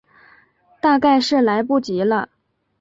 大概是来不及了